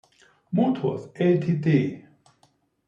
Motors Ltd.